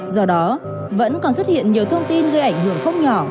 do đó vẫn còn xuất hiện nhiều thông tin gây ảnh hưởng không nhỏ